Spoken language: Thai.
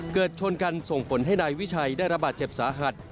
ชนกันส่งผลให้นายวิชัยได้ระบาดเจ็บสาหัส